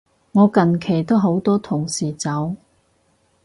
我近期都好多同事走